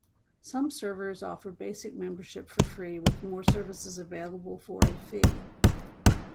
Some servers offer basic membership for free, with more services available for a fee.